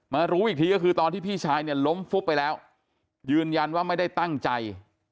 รู้อีกทีก็คือตอนที่พี่ชายเนี่ยล้มฟุบไปแล้วยืนยันว่าไม่ได้ตั้งใจ